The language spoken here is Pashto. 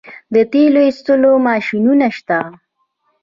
د تیلو ایستلو ماشینونه شته